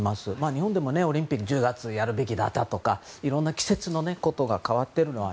日本でもオリンピック１０月にやるべきだったとかいろんな季節のことが変わっているのは